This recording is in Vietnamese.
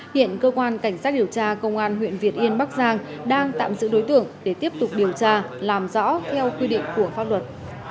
hiện cơ quan cảnh sát điều tra công an huyện việt yên bắc giang đang tạm giữ đối tượng để tiếp tục điều tra làm rõ theo quy định của pháp luật